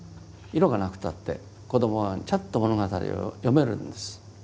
色がなくたって子どもはちゃんと物語を読めるんです。